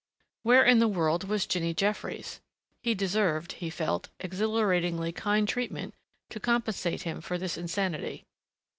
Where in the world was Jinny Jeffries? He deserved, he felt, exhilaratingly kind treatment to compensate him for this insanity.